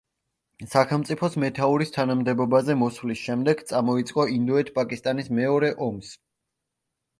სახელმწიფოს მეთაურის თანამდებობაზე მოსვლის შემდეგ წამოიწყო ინდოეთ-პაკისტანის მეორე ომს.